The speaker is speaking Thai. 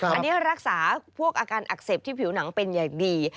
อันนี้รักษาพวกอาการอักเสบที่ผิวหนังเป็นอย่างดี